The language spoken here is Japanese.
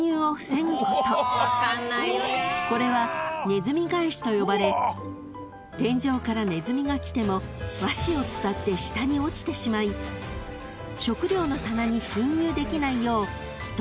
［これはネズミ返しと呼ばれ天井からネズミが来ても和紙を伝って下に落ちてしまい食料の棚に侵入できないよう一回り大きくなっているのです］